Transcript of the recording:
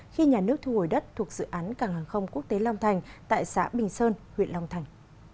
khi nhà nước thu hồi đất thuộc dự án cảng hàng không quốc tế long thành tại xã bình sơn huyện long thành